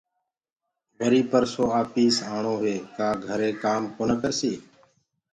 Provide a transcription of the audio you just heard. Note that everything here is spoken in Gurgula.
وريٚ پرسونٚ آپيٚس آڻو هي ڪآ گھري ڪآم ڪونآ ڪرسگي